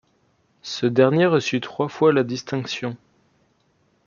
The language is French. Ce dernier reçut trois fois la distinction.